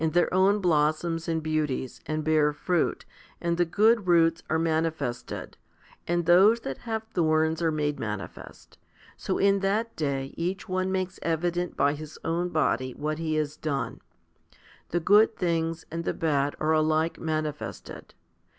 ^ 96 FIFTY SPIRITUAL HOMILIES their own blossoms and beauties, and bear fruit, and the good roots are manifested, and those that have thorns are made manifest, so in that day each one makes evident by his own body what he has done. The good things and the bad are alike manifested.